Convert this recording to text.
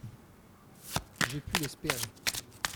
J’ai pu l’espérer.